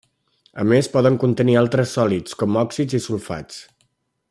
A més poden contenir altres sòlids com òxids i sulfats.